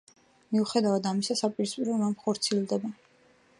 მიუხედავად ამისა, საპირისპირო რამ ხორციელდება.